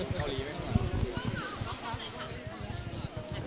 เปล่าแล้ว